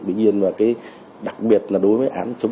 bình yên và đặc biệt là đối với hải phòng